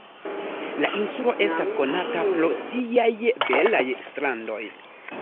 La insulo estas konata pro siaj belaj strandoj.